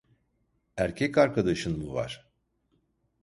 Erkek arkadaşın mı var?